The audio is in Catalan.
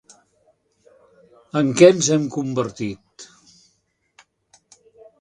En què ens hem convertit?